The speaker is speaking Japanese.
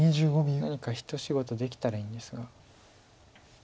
何か一仕事できたらいいんですが。